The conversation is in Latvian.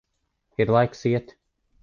Ir laiks iet.